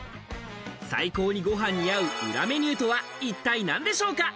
最高にご飯に合う裏メニューとは一体何でしょうか。